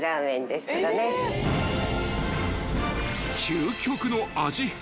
［究極の味変］